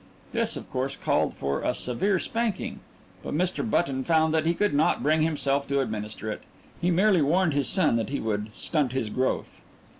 This, of course, called for a severe spanking, but Mr. Button found that he could not bring himself to administer it. He merely warned his son that he would "stunt his growth."